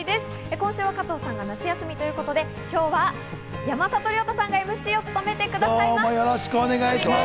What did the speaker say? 今週は加藤さんが夏休みということで今日は山里亮太さんがＭＣを務めてくださいます。